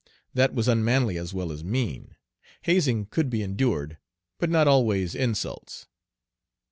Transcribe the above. That was unmanly as well as mean. Hazing could be endured, but not always insults.